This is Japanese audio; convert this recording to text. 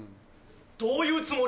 どういうつもり？